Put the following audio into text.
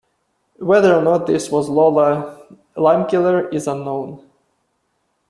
Whether or not this was Lola Limekiller is unknown.